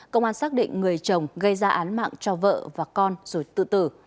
công an xác định người chồng gây ra án mạng cho vợ và con rồi tự tử